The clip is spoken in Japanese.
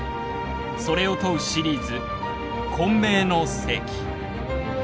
それを問うシリーズ「混迷の世紀」。